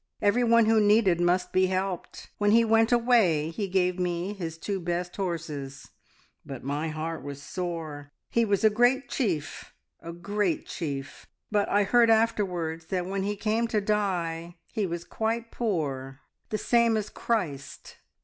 Everyone who needed must be helped. When he went away he gave me his two best horses, but my heart was sore. He was a great chief a great chief; but I heard afterwards that when he came to die he was quite poor the same as Christ!'"